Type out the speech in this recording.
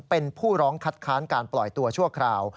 เป็นผู้ร้องคัดค้านการปล่อยตัวชั่วคราว